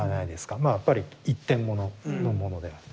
まあやっぱり一点もののものであると。